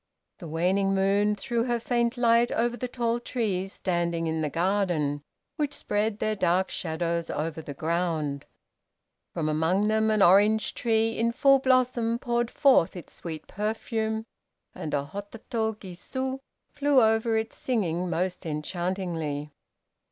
The waning moon threw her faint light over the tall trees standing in the garden, which spread their dark shadows over the ground. From among them an orange tree in full blossom poured forth its sweet perfume, and a Hototo gisu flew over it singing most enchantingly.